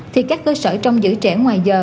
thì các cơ sở trong giữ trẻ ngoài giờ